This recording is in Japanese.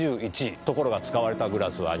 ところが使われたグラスは２２。